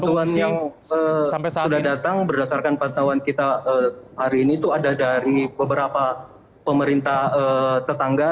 jadi bantuan yang sudah datang berdasarkan pantauan kita hari ini itu ada dari beberapa pemerintah tetangga